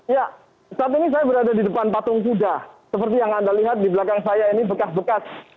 ya saat ini saya berada di depan patung kuda seperti yang anda lihat di belakang saya ini bekas bekas